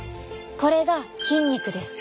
これが筋肉です。